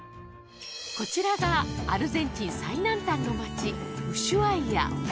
こちらがアルゼンチン最南端の町ウシュアイア